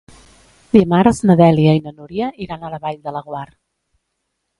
Dimarts na Dèlia i na Núria iran a la Vall de Laguar.